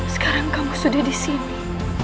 sekarang kamu sudah disini